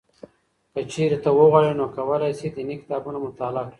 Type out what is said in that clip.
که چېرې ته وغواړې نو کولای شې دیني کتابونه مطالعه کړې.